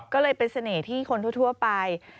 ก็เลยเป็นเสน่ห์ที่คนทั่วไป